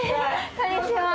こんにちは。